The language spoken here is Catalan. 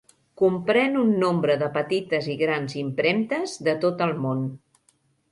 Comprèn un nombre de petites i grans impremtes de tot el món.